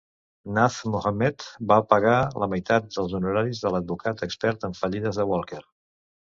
Nazr Mohammed va pagar la meitat dels honoraris de l'advocat expert en fallides de Walker.